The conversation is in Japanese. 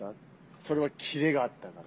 それはキレがあったから。